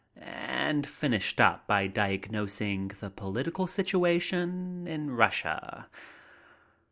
and finished up by diagnosing the political situation in Russia.